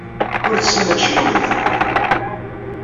Ur tessin ad tecnu mliḥ.